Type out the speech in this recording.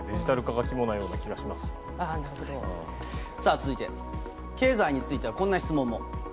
続いて、経済についてはこんな質問も。